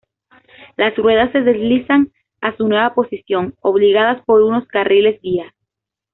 Las ruedas se deslizan a su nueva posición obligadas por unos carriles-guía.